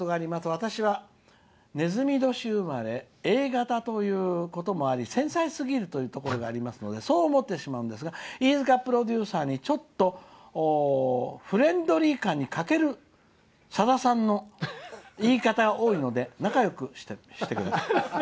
私は、ねずみ年生まれＡ型ということもあり繊細すぎるというところもありますのでそう思ってしまうんですが飯塚プロデューサーはフレンドリー感が欠ける感じのさださんが気になりますのでちょっと気をつけてください」。